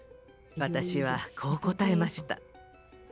私はこう答えました。